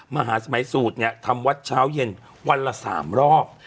มหาสมัยสูตรเนี่ยทำวัดเช้าเย็นวันละ๓รอบ